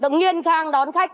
nguyên khang đón khách